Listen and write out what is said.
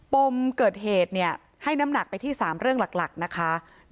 ปมเกิดเหตุให้น้ำหนักไปที่๓เรื่องหลักนะคะ